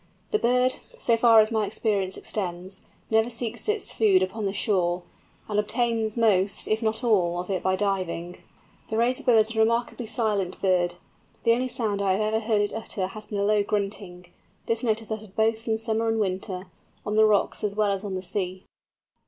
The bird, so far as my experience extends, never seeks its food upon the shore, and obtains most, if not all, of it by diving. The Razorbill is a remarkably silent bird; the only sound I have ever heard it utter has been a low grunting. This note is uttered both in summer and winter, on the rocks as well as on the sea.